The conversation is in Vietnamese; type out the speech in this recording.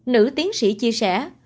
nữ tiến sĩ chia sẻ